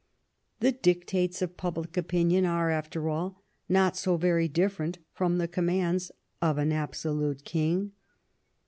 The dictates of public opinion are, after all, not so very different from the commands of an absolute king.